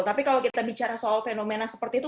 tapi kalau kita bicara soal fenomena seperti itu